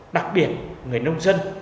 đặc biệt người nông dân